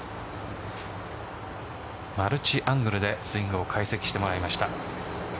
マルチアングルでスイングを解析してもらいました。